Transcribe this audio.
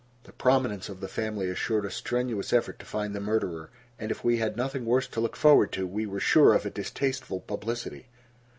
The prominence of the family assured a strenuous effort to find the murderer, and if we had nothing worse to look forward to, we were sure of a distasteful publicity.